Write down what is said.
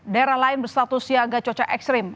daerah lain berstatus siaga cuaca ekstrim